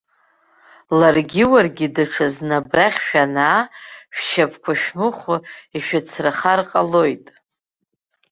Ларгьы уаргьы даҽазны абрахь шәанаа, шәшьапқәа шәмыхәо ишәыцрахар ҟалоит.